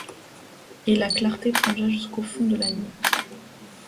Et la clarté plongea jusqu’au fond de la nuit ;